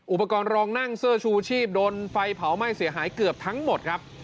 อุปกรณ์รองนั่งเสื้อชูชีพโดนไฟเผาไหม้เสียหายเกือบทั้งหมดครับ